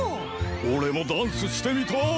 オレもダンスしてみたい！